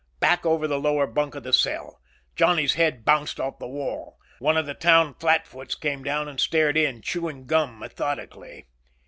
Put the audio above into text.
Back over the lower bunk of the cell. Johnny's head bounced off the wall. One of the town flatfoots came down and stared in, chewing gum methodically.